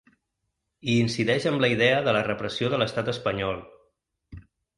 I incideix amb la idea de la repressió de l’estat espanyol.